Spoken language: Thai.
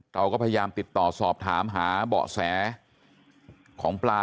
เราก็พยายามติดต่อสอบถามหาเบาะแสของปลา